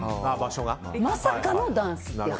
まさかのダンスという。